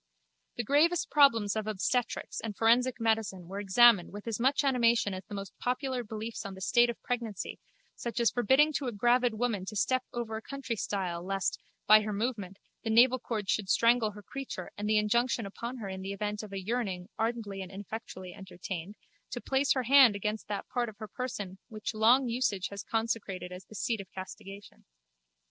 The gravest problems of obstetrics and forensic medicine were examined with as much animation as the most popular beliefs on the state of pregnancy such as the forbidding to a gravid woman to step over a countrystile lest, by her movement, the navelcord should strangle her creature and the injunction upon her in the event of a yearning, ardently and ineffectually entertained, to place her hand against that part of her person which long usage has consecrated as the seat of castigation.